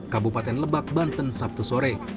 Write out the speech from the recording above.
kabupaten lebak banten sabtu sore